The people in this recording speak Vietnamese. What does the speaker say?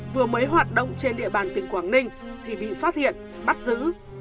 vừa mới hoạt động trên địa bàn tỉnh quảng ninh thì bị phát hiện bắt giữ